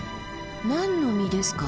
何の実ですか？